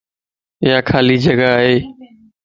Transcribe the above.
يا خالي جڳا ائي